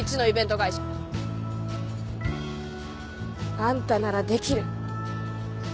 あんたならできる。